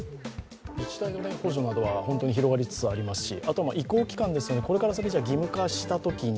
自治体の補助などは広がりつつありますしあとは移行期間ですので、これから義務化したときに